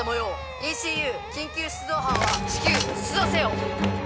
ＥＣＵ緊急出動班は至急出動せよ！